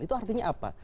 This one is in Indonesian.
itu artinya apa